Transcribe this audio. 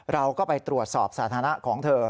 เราก็ไปตรวจสอบสาธารณะของเธอ